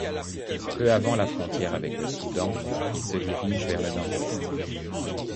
Peu avant la frontière avec le Soudan, il se dirige vers le nord-ouest.